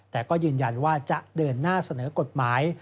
แต่ก็ยืนยันว่าจะเดินหน้าเสนอกฎหมาย